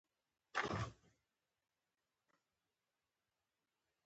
ښۍ پښه مې روغه سوې وه.